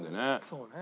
そうね。